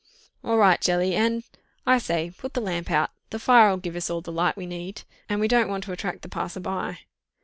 "All right, Jelly ... and ... I say, put the lamp out—the fire'll give us all the light we need—and we don't want to attract the passer by."